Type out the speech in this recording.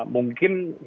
mungkin dari situ